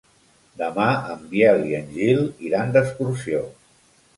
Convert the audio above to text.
Demà en Biel i en Gil iran d'excursió.